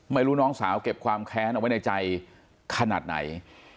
ไม่รู้น้องสาวเก็บความแค้นเอาไว้ในใจขนาดไหน